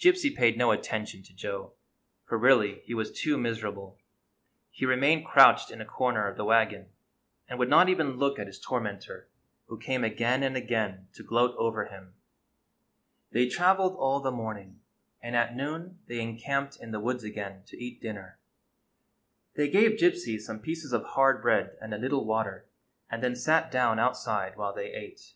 Gypsy paid no attention to Joe, for really he was too miserable. He remained crouched in a corner of the wagon, and would not even look at his tormentor, who came again and again to gloat over him. They traveled all the morning, and at noon they encamped in the woods again to eat dinner. They gave Gypsy some pieces of hard bread and a little water, and then sat down outside while they ate.